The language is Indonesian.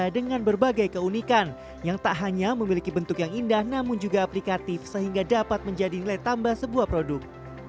dengan berbagai keunikan yang tak hanya memiliki bentuk yang indah namun juga aplikatif sehingga dapat menjadi nilai tambah sebuah produk